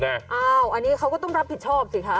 อันนี้เขาก็ต้องรับผิดชอบสิคะ